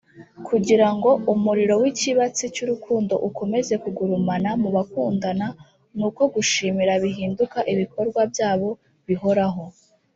Kugira ngo umuriro w’ikibatsi cy’urukundo ukomeze kugurumana mu bakundana ni uko gushimira bihinduka ibikorwa byabo bihoraho